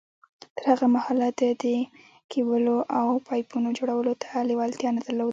تر هغه مهاله ده د کېبلو او پايپونو جوړولو ته لېوالتيا نه درلوده.